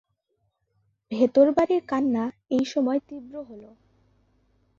ভেতরবাড়ির কান্না এই সময় তীব্র হল।